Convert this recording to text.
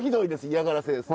嫌がらせです。